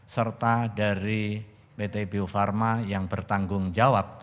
serta dari pt bio farma yang bertanggung jawab